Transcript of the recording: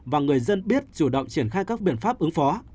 và người dân biết chủ động triển khai các biện pháp ứng phó